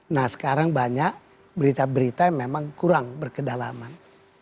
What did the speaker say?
nah sekarang banyak berita berita yang memang kurang berkedalaman